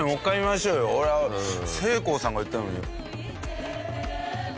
せいこうさんが言ったように。